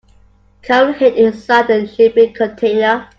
Carol hid inside the shipping container.